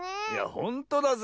ほんとだぜ。